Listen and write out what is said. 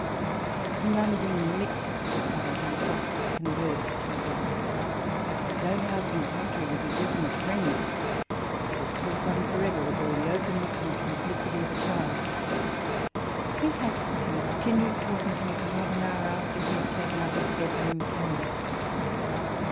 In London mixed society Fox conversed little ; but at his own house in the country, with his intimate friends, he would talk on for ever, with all the openness and simplicity of a child : he has continued talking to me for half an hour after he had taken up his bed room candle.